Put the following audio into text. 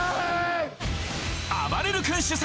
あばれる君主催